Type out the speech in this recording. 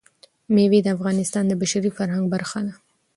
مېوې د افغانستان د بشري فرهنګ برخه ده.